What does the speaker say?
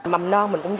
mầm non mình cũng nhớ